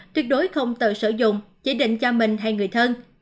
tuyệt đối không tự sử dụng chỉ định cho mình hay người thân